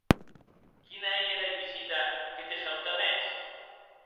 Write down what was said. Quina ei era visita que te shaute mès?